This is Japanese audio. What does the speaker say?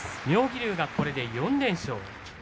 妙義龍、これで４連勝。